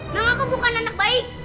namaku bukan anak baik